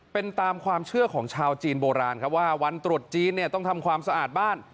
เป็นตามความเชื่อของชาวจีนโบราณครับว่าวันตรุษจีนเนี่ยต้องทำความสะอาดบ้าน